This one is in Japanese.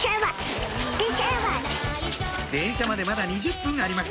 電車までまだ２０分あります